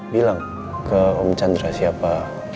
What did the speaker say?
bilang ke om chandra siapa